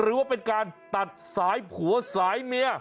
หรือว่าเป็นการตัดสายผัวสายเมีย